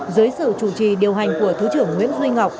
dưới sự chủ trì điều hành của thứ trưởng nguyễn duy ngọc